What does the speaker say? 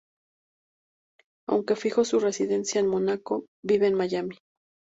Aunque fijó su residencia en Mónaco, vive en Miami.